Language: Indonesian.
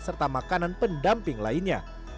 serta makanan pendamping lainnya